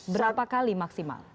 berapa kali maksimal